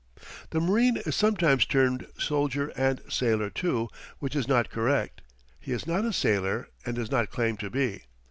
The marine is sometimes termed soldier and sailor too, which is not correct. He is not a sailor and does not claim to be.